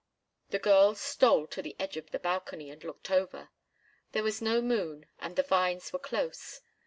The girls stole to the edge of the balcony and looked over. There was no moon, and the vines were close.